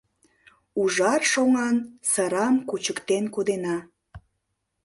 Ужар шоҥан сырам кучыктен кодена.